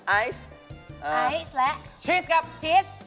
ไอซ์และชีสกับชีส